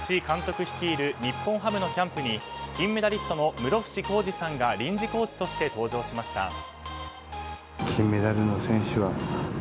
監督率いる日本ハムのキャンプに金メダリストの室伏広治さんが臨時コーチとして登場しました。